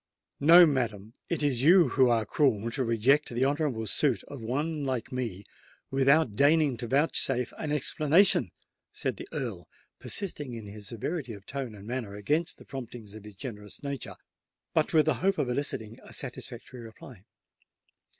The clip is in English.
"No, madam—it is you who are cruel to reject the honourable suit of one like me without deigning to vouchsafe an explanation," said the Earl, persisting in his severity of tone and manner against the promptings of his generous nature, but with the hope of eliciting a satisfactory reply.